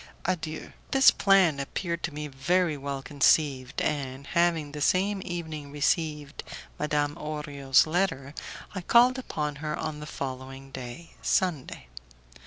Adieu." This plan appeared to me very well conceived, and, having the same evening received Madame Orio's letter, I called upon her on the following day, Sunday.